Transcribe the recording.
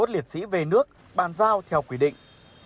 liệt sĩ về nước bàn giao theo quy định